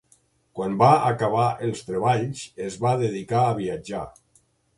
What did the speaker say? Quan va acabar els treballs es va dedicar a viatjar.